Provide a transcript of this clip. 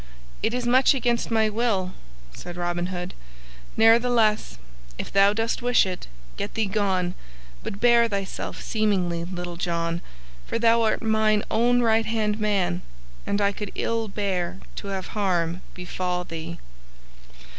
"It is much against my will," said Robin Hood, "ne'ertheless, if thou dost wish it, get thee gone, but bear thyself seemingly, Little John, for thou art mine own right hand man and I could ill bear to have harm befall thee."